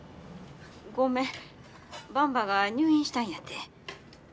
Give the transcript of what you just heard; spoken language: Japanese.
ばんばが入院したんやて。